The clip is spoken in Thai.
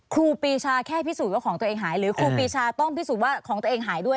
ครูปีชาแค่พิสูจน์ว่าของตัวเองหายหรือครูปีชาต้องพิสูจน์ว่าของตัวเองหายด้วย